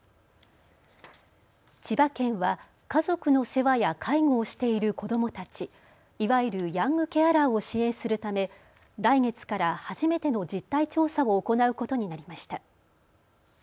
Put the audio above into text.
千葉県は家族の世話や介護をしている子どもたちいわゆるヤングケアラーを支援するため来月から初めての実態調査を行うことになりました。